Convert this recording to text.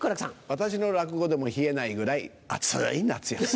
私の落語でも冷えないぐらい暑い夏休み。